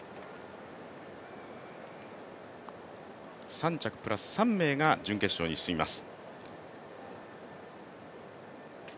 ３着プラス３名が準決勝に進みます。